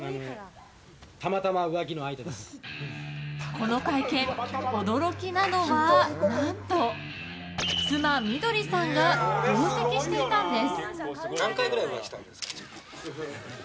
この会見、驚きなのは何と、妻・美どりさんも同席していたんです。